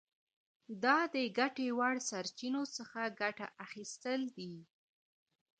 دا د ګټې وړ سرچینو څخه ګټه اخیستل دي.